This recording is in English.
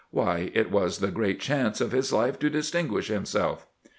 Why, it was the great chance of his life to distinguish himself."